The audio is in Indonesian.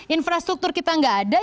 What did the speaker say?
infrastruktur kita nggak ada